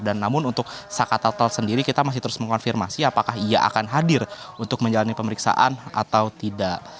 dan namun untuk saka tatal sendiri kita masih terus mengonfirmasi apakah ia akan hadir untuk menjalani pemeriksaan atau tidak